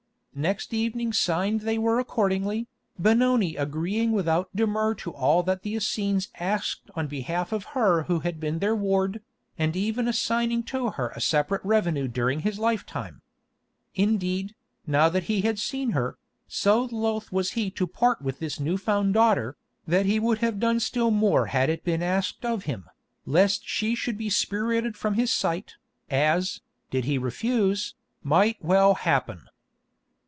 Next evening signed they were accordingly, Benoni agreeing without demur to all that the Essenes asked on behalf of her who had been their ward, and even assigning to her a separate revenue during his lifetime. Indeed, now that he had seen her, so loth was he to part with this new found daughter, that he would have done still more had it been asked of him, lest she should be spirited from his sight, as, did he refuse, might well happen.